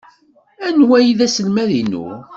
Anwa ay d aselmad-inu?